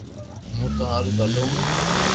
ھون ٿو ھارون ڀلو ھون